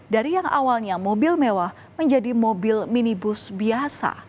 dari yang awalnya mobil mewah menjadi mobil minibus biasa